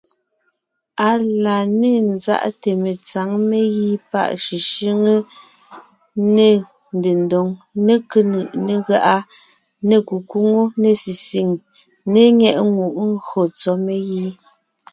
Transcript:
Á la ne ńzáʼte metsǎŋ megǐ páʼ shʉshʉ́ŋe, ne ndedóŋ, ne kénʉʼ, ne gáʼa, ne kukwóŋo, ne sisìŋ ne nyɛ́ʼŋùʼ ngÿo tsɔ́ megǐ.